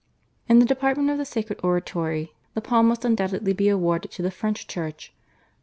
In the department of sacred oratory the palm must undoubtedly be awarded to the French Church.